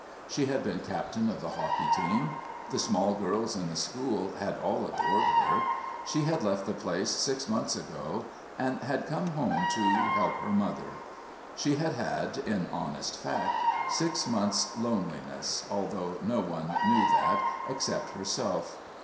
She had been Captain of the Hockey team; the small girls in the school had all adored her. She had left the place six months ago and had come home to "help her mother." She had had, in honest fact, six months' loneliness, although no one knew that except herself.